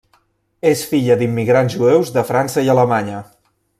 És filla d'immigrants jueus de França i Alemanya.